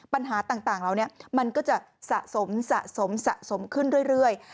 ปัญหาต่างแล้วเนี่ยมันก็จะสะสมขึ้นเรื่อย